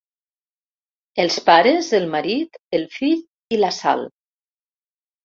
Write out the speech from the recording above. Els pares, el marit, el fill i la Sal.